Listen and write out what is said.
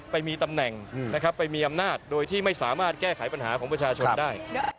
ไปมีตำแหน่งนะครับไปมีอำนาจโดยที่ไม่สามารถแก้ไขปัญหาของประชาชนได้